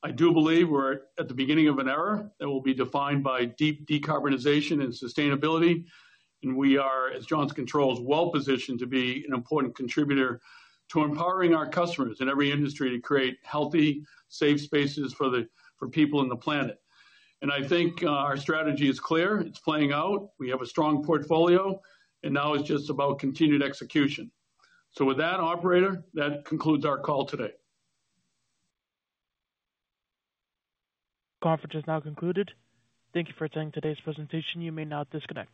I do believe we're at the beginning of an era that will be defined by deep decarbonization and sustainability, and we are, as Johnson Controls, well positioned to be an important contributor to empowering our customers in every industry to create healthy, safe spaces for people in the planet. I think our strategy is clear. It's playing out. We have a strong portfolio, and now it's just about continued execution. With that, operator, that concludes our call today. Conference is now concluded. Thank you for attending today's presentation. You may now disconnect.